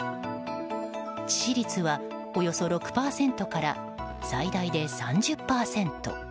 致死率はおよそ６％から最大で３０％。